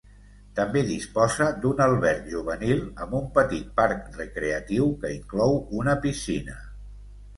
També disposa d'un alberg juvenil amb un petit parc recreatiu, que inclou una piscina.